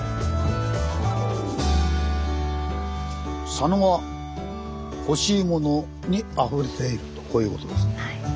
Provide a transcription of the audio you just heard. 「佐野は“ほしいモノ”にあふれてる⁉」とこういうことです。